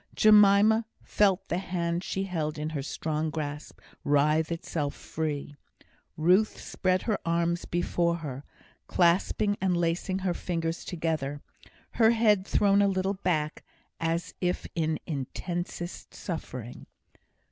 Jemima felt the hand she held in her strong grasp writhe itself free. Ruth spread her arms before her, clasping and lacing her fingers together, her head thrown a little back, as if in intensest suffering.